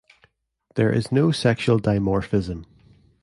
There is no sexual dimorphism.